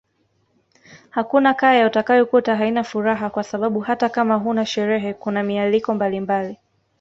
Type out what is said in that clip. Hakuna kaya utakayokuta haina furaha kwa sababu hata kama huna sherehe kuna mialiko mbalimbali